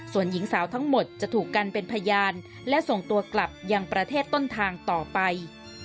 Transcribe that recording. ส่วนหญิงสาวทั้งหมดจะถูกกันเป็นพยานและส่งตัวกลับยังประเทศต้นทางต่อไป